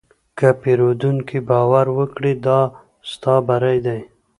که پیرودونکی باور وکړي، دا ستا بری دی.